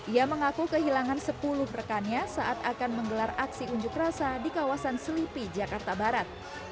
ia mengaku kehilangan sepuluh rekannya saat akan menggelar aksi unjuk rasa di kawasan selipi jakarta barat